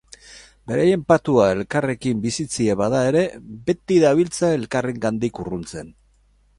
Beraien patua elkarrekin bizitzea bada ere, beti dabiltza elkarrengandik urruntzen.